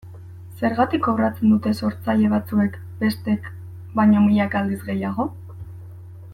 Zergatik kobratzen dute sortzaile batzuek bestek baino milaka aldiz gehiago?